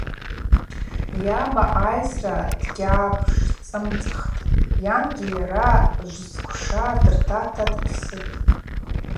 Йаба айсра дгьгӏапшцӏымцӏхтӏ, йангьи йара жвсквша дыртата дпсытӏ.